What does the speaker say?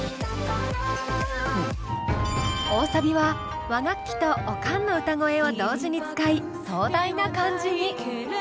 大サビは和楽器とオカンの歌声を同時に使い壮大な感じに。